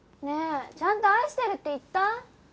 ねえちゃんと「愛してる」って言った？